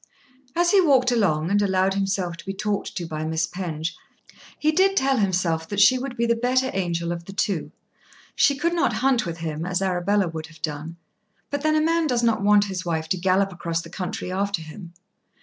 As he walked along and allowed himself to be talked to by Miss Penge, he did tell himself that she would be the better angel of the two. She could not hunt with him, as Arabella would have done; but then a man does not want his wife to gallop across the country after him.